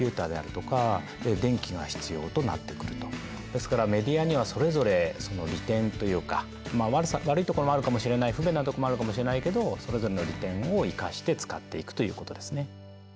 ですからメディアにはそれぞれ利点というかまあ悪いところもあるかもしれない不便なところもあるかもしれないけどそれぞれの利点を生かして使っていくということですね。